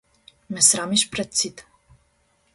Ме срамиш пред сите.